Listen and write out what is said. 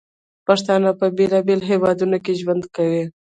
پښتانه په بیلابیلو هیوادونو کې ژوند کوي.